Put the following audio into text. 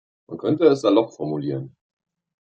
Man könnte es salopp formulieren.